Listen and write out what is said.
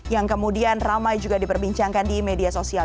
yang kemudian ramai juga diperbincangkan di media sosial